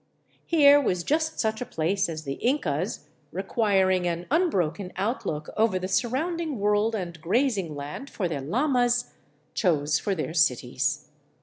Here was just such a place as the Incas, requiring an unbroken outlook over the surrounding world and grazing land for their llamas, chose for their cities.